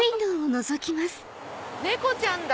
猫ちゃんだ。